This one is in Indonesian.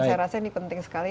saya rasa ini penting sekali